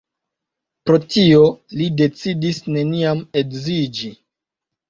Pro tio, li decidis neniam edziĝi.